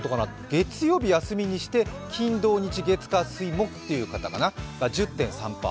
月曜日休みにして、金土日、月火水木ってことかな１０．３％。